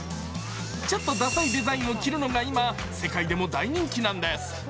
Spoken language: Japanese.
ちょっとダサいデザインを着るのが今、世界でも大人気なんです。